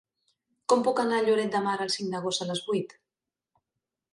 Com puc anar a Lloret de Mar el cinc d'agost a les vuit?